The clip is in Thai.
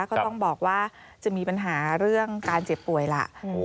ก็ต้องบอกว่าจะมีปัญหาเรื่องการเจ็บป่วยล่ะ